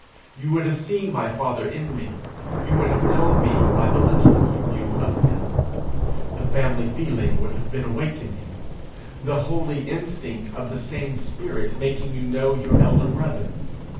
You would have seen my father in me; you would have known me by the little you knew of him. The family feeling would have been awake in you, the holy instinct of the same spirit, making you know your elder brother.